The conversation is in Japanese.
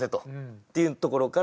っていうところから。